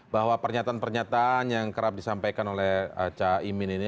bahwa pernyataan pernyataan yang kerap disampaikan oleh caimin ini